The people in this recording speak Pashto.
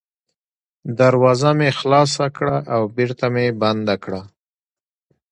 دروازه مې خلاصه کړه او بېرته مې بنده کړه.